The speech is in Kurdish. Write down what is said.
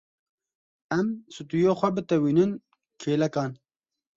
Em stûyê xwe bitewînin kêlekan.